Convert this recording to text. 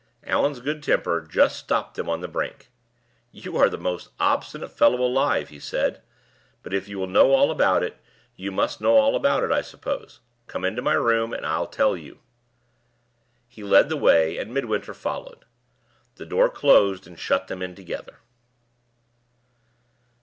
Allan's good temper just stopped them on the brink. "You are the most obstinate fellow alive," he said; "but if you will know all about it, you must know all about it, I suppose. Come into my room, and I'll tell you." He led the way, and Midwinter followed. The door closed and shut them in together.